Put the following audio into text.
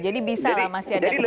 jadi bisa lah masih ada kesempatan